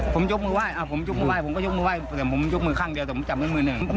ผมยกมือไหว้ผมยกมือไห้ผมก็ยกมือไห้แต่ผมยกมือข้างเดียวแต่ผมจับมือมือหนึ่ง